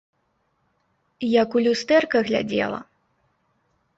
Як у люстэрка глядзела!